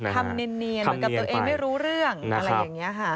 ทำเนียนเหมือนกับตัวเองไม่รู้เรื่องอะไรอย่างนี้ค่ะ